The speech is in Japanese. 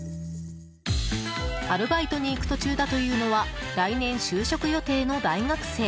アルバイトに行く途中だというのは来年就職予定の大学生。